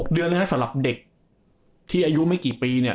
เดือนเลยนะสำหรับเด็กที่อายุไม่กี่ปีเนี่ย